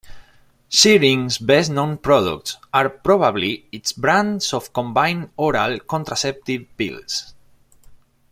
Schering's best-known products are probably its brands of combined oral contraceptive pills.